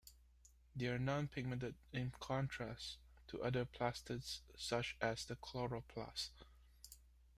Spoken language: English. They are non-pigmented, in contrast to other plastids such as the chloroplast.